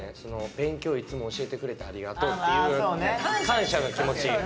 「勉強いつも教えてくれてありがとう」っていう感謝の気持ち。